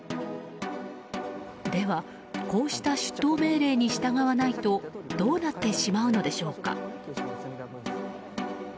では、こうした出頭命令に従わないとどうなってしまうのでしょうか。